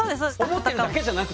思ってるだけじゃなくて？